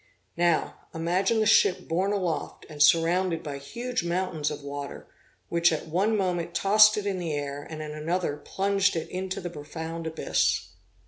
Now, imagine the ship borne aloft, and surrounded by huge mountains of water, which at one moment tossed it in the air, and at another plunged it into the profound abyss.